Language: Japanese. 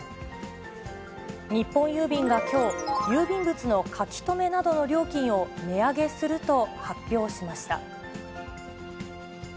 日本郵便がきょう、郵便物の書留などの料金を値上げすると発表しました。